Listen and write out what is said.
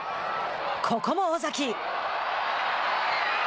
ここも尾崎。